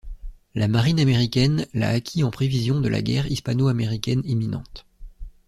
La marine américaine l'a acquis en prévision de la guerre hispano-américaine imminente.